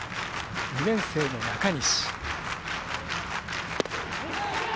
２年生の中西。